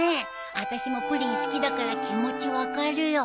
私もプリン好きだから気持ち分かるよ。